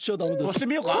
おしてみようか？